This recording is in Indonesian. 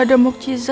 si buruk rupa